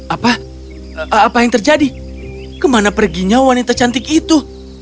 apa apa yang terjadi kemana perginya wanita cantik itu